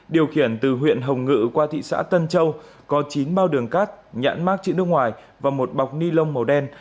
điều khiển từ huyện hồng ngự qua thị xã tân châu có chín bao đường cát nhãn mát chữ nước ngoài và một bọc ni lông màu đen